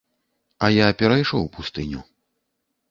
А я перайшоў пустыню.